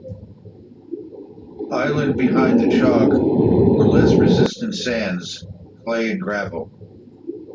Inland behind the Chalk were less resistant sands, clays and gravels.